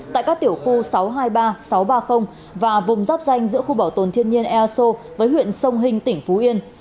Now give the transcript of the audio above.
tại các tiểu khu sáu trăm hai mươi ba sáu trăm ba mươi và vùng rắp ranh giữa khu bảo tồn thiên nhiên eso với huyện sông hình tỉnh phú yên